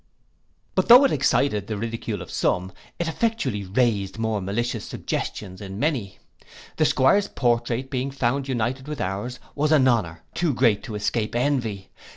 But though it excited the ridicule of some, it effectually raised more malicious suggestions in many. The 'Squire's portrait being found united with ours, was an honour too great to escape envy.